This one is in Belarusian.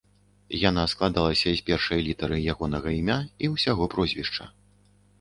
Яна складалася з першай літары ягонага імя і ўсяго прозвішча.